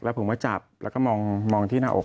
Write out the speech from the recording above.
แล้วผมว่าจับเราก็มองที่หน้าอก